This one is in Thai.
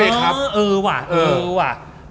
เออเออว่ะเออว่ะ